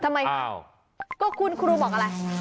ทำไมก็คุณครูบอกอะไร